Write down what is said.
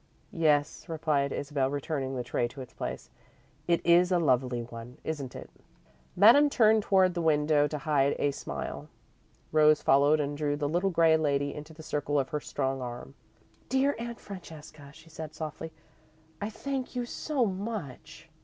"Yes," replied Isabel, returning the tray to its place; "it is a lovely one, isn't it?" Madame turned toward the window to hide a smile. Rose followed, and drew the little grey lady into the circle of her strong arm. "Dear Aunt Francesca!" she said softly. "I thank you so much!"